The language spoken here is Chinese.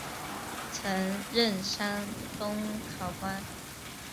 曾任山东考官。